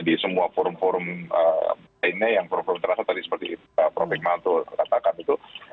di semua forum forum lainnya yang problem terasa tadi seperti prof hikmanto katakan itu